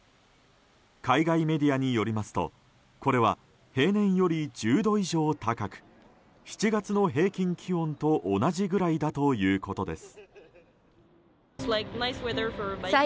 海外メディアによりますとこれは平年より１０度以上高く７月の平均気温と同じぐらいだということです。